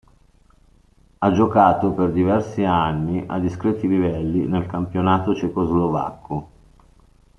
Ha giocato per diversi anni a discreti livelli nel campionato cecoslovacco.